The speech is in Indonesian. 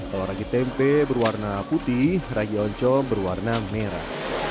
kalau ragi tempe berwarna putih ragi oncom berwarna merah